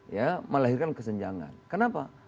ya melahirkan kesenjangan kenapa